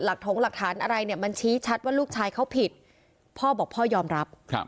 ถงหลักฐานอะไรเนี่ยมันชี้ชัดว่าลูกชายเขาผิดพ่อบอกพ่อยอมรับ